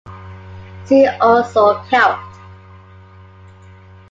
See also celt.